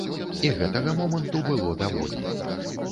І гэтага моманту было даволі.